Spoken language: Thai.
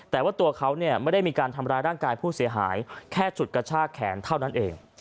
แต่ว่าตัวเขาเนี่ยไม่ได้มีการทำร้ายร่างกายผู้เสียหายแค่จุดกระชากแขนเท่านั้นเอง